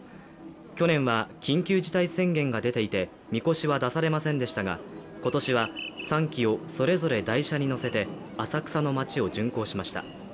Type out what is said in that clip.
去年は緊急事態宣言が出ていてみこしは出されませんでしたが今年は３基をそれぞれ台車に載せて浅草の町を巡行しました。